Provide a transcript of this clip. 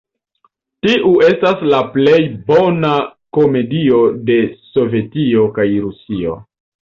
Tiu estas la plej bona komedio de Sovetio kaj Rusio!